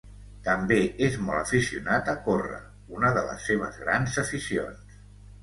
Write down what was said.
També és molt aficionat a córrer, una de les seves grans aficions.